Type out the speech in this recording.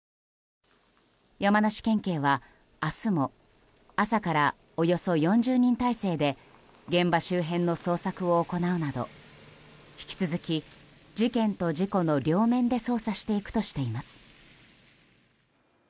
山梨県警は明日も朝からおよそ４０人態勢で現場周辺の捜索を行うなど引き続き事件と事故の両面で捜査していくとしています。